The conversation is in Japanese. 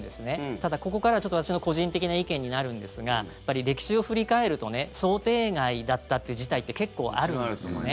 ただ、ここからは私の個人的な意見になるんですが歴史を振り返ると想定外だったっていう事態って結構あるんですよね。